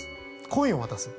コインを渡す。